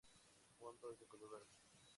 El fondo es de color verde.